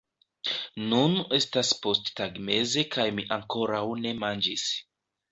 Nun estas posttagmeze kaj mi ankoraŭ ne manĝis